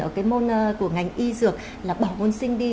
ở cái môn của ngành y dược là bỏ môn sinh đi